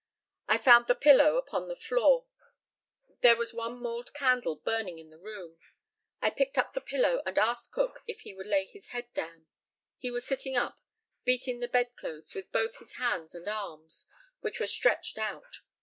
I found the pillow upon the floor. There was one mould candle burning in the room. I picked up the pillow, and asked Cook if he would lay his head down. He was sitting up, beating the bedclothes with both his hands and arms, which were stretched out.